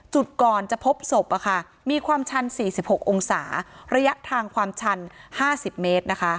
จุดก่อนจะพบศพมีความชัน๔๖องศาระยะทางความชัน๕๐เมตรนะคะ